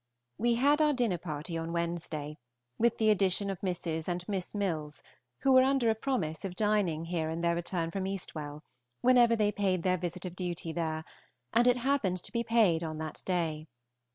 We had our dinner party on Wednesday, with the addition of Mrs. and Miss Milles, who were under a promise of dining here in their return from Eastwell, whenever they paid their visit of duty there, and it happened to be paid on that day.